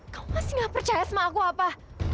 kamu masih nggak percaya sama aku apa